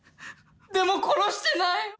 でも殺してない！